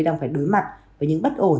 đang phải đối mặt với những bất ổn